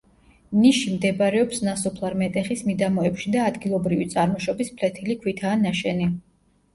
ნიში მდებარეობს ნასოფლარ მეტეხის მიდამოებში და ადგილობრივი წარმოშობის ფლეთილი ქვითაა ნაშენი.